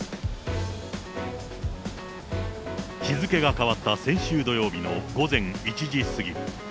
日付が変わった先週土曜日の午前１時過ぎ。